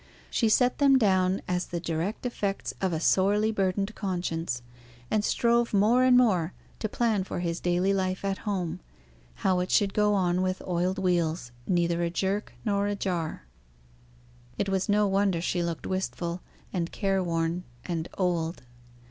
She set them down as the direct effects of a sorely burdened conscience; and strove more and more to plan for his daily life at home, how it should go on with oiled wheels, neither a jerk nor a jar. It was no wonder she looked wistful, and careworn, and old.